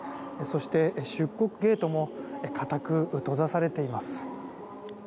そして、出国ゲートも固く閉ざされています。